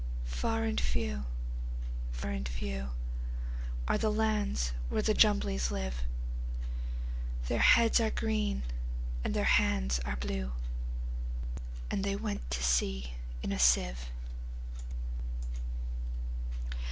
Far and few, far and few, Are the lands where the Jumblies live:Their heads are green, and their hands are blue; And they went to sea in a sieve.